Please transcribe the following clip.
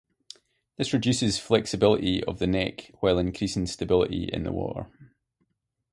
This reduces flexibility of the neck while increasing stability in the water.